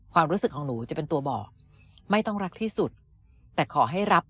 ความรู้สึกของหนูจะเป็นตัวบอกไม่ต้องรักที่สุดแต่ขอให้รับ